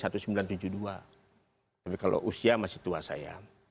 tapi kalau usia masih tua saya